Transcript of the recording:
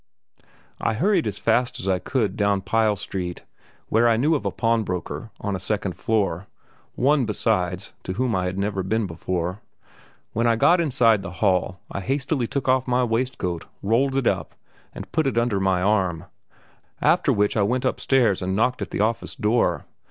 I hurried as fast as I could down Pyle Street, where I knew of a pawnbroker on a second floor (one, besides, to whom I had never been before). When I got inside the hall I hastily took off my waistcoat, rolled it up, and put it under my arm; after which I went upstairs and knocked at the office door.